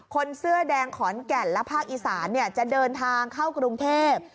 คนเสื้อแดงขอนแก่นและภาคอีสานจะเดินทางเข้ากรุงเทพ